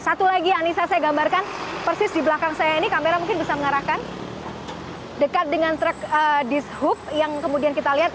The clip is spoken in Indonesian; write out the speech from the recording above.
satu lagi anissa saya gambarkan persis di belakang saya ini kamera mungkin bisa mengarahkan dekat dengan truk dishub yang kemudian kita lihat